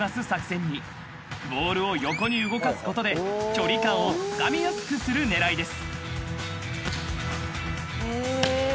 ［ボールを横に動かすことで距離感をつかみやすくする狙いです］